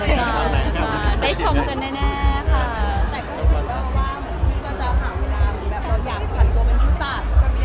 แต่คุณคิดว่าว่าคุณก็จะเอาคำถามแบบอยากกันตัวเป็นผู้จัดหรือไม่อยากกันตัว